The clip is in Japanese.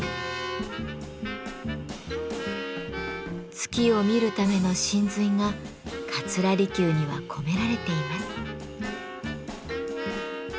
月を見るための神髄が桂離宮には込められています。